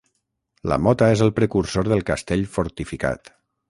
La mota és el precursor del castell fortificat.